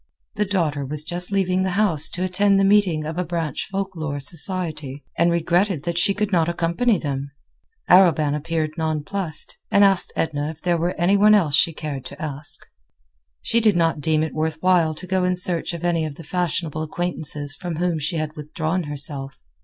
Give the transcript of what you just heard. The daughter was just leaving the house to attend the meeting of a branch Folk Lore Society, and regretted that she could not accompany them. Arobin appeared nonplused, and asked Edna if there were any one else she cared to ask. She did not deem it worth while to go in search of any of the fashionable acquaintances from whom she had withdrawn herself.